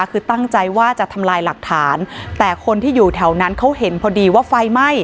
คือตั้งใจว่าจะทำลายหลักฐานแต่คนที่อยู่แถวนั้นเขาเห็นพอดีว่าไฟไหม้